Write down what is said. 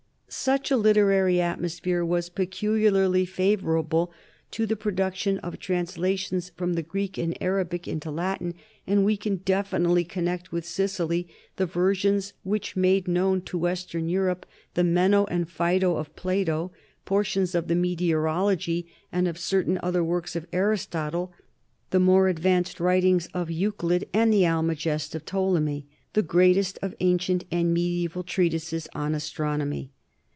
Such a literary atmosphere was peculiarly favorable to the production of transla tions from the Greek and Arabic into Latin, and we can definitely connect with Sicily the versions which made known to western Europe the Meno and Ph&do of Plato, portions of the Meteorology and of certain other works of Aristotle, the more advanced writings of Eu clid, and the Almagest of Ptolemy, the greatest of an cient and mediaeval treatises on astronomy.